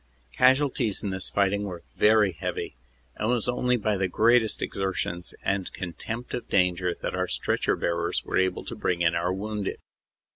Casualties in this fighting were very heavy, and it was only by the greatest exertions and contempt of danger that our stretcher bearers were able to bring in our wounded.